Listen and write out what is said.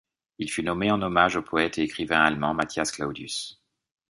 Il fut nommé en hommage au poète et écrivain allemand Matthias Claudius.